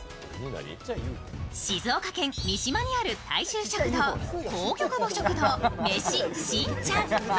静岡県三島にある大衆食堂光玉母食堂めししんちゃん。